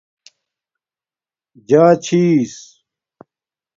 جݳچھیس